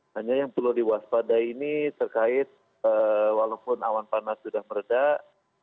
hanya yang perlu diwaspadai ini terkait walaupun awan panas sudah meredah